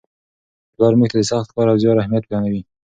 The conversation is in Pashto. پلار موږ ته د سخت کار او زیار اهمیت بیانوي.